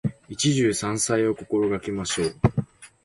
一汁三菜を心がけましょう。